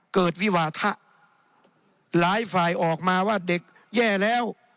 วิวาทะหลายฝ่ายออกมาว่าเด็กแย่แล้ว